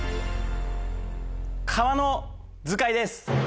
川の図解です！